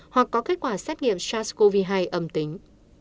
hoặc có kết quả xét nghiệm sars cov hai âm tính